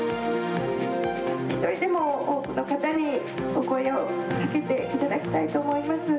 １人でも多くの方にお声をかけていただきたいと思います。